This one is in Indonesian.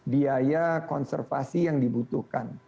biaya konservasi yang dibutuhkan